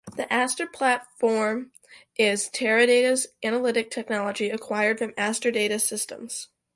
The Aster Platform is Teradata's analytic technology, acquired from Aster Data Systems.